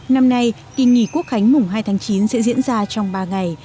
năm nay kỳ nghỉ quốc khánh mùng hai tháng chín sẽ diễn ra trong ba ngày